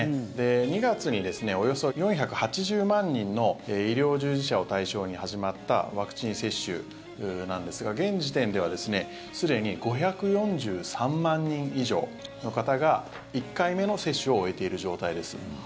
２月におよそ４８０万人の医療従事者を対象に始まったワクチン接種なんですが現時点ではすでに５４３万人以上の方が１回目の接種を終えている状態です。